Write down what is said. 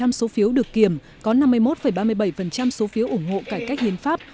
với bốn mươi năm số phiếu được kiểm có năm mươi một ba mươi bảy số phiếu ủng hộ cải cách hiến pháp